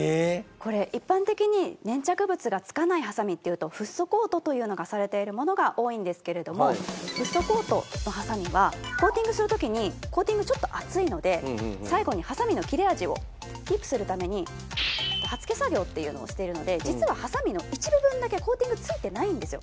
これ一般的に粘着物がつかないハサミっていうとフッ素コートというのがされているものが多いんですけれどもフッ素コートのハサミはコーティングする時にコーティングちょっと厚いので最後にハサミの切れ味をキープするために刃付け作業っていうのをしているので実はハサミの一部分だけコーティングついてないんですよ。